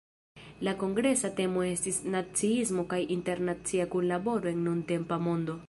La kongresa temo estis "Naciismo kaj internacia kunlaboro en nuntempa mondo".